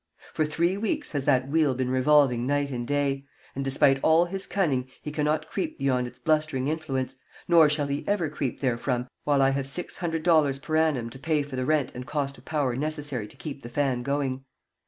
For three weeks has that wheel been revolving night and day, and despite all his cunning he cannot creep beyond its blustering influence, nor shall he ever creep therefrom while I have six hundred dollars per annum to pay for the rent and cost of power necessary to keep the fan going.